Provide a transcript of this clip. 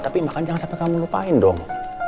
tapi makan jangan sampai kamu lupain dong